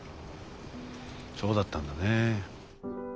そうだったんだね。